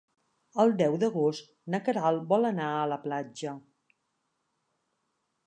El deu d'agost na Queralt vol anar a la platja.